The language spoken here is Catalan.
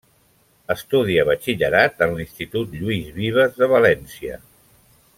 Estudia Batxillerat en l'Institut Lluís Vives de València.